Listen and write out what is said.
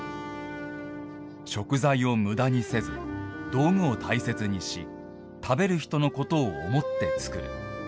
食材を無駄にせず道具を大切にし食べる人のことを思って作る。